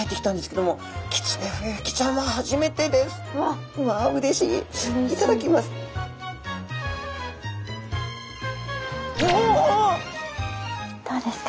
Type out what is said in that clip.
どうですか？